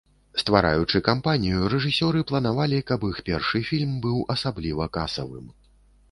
Ствараючы кампанію, рэжысёры планавалі, каб іх першы фільм быў асабліва касавым.